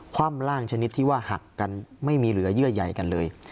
ว่ำร่างชนิดที่ว่าหักกันไม่มีเหลือเยื่อใหญ่กันเลย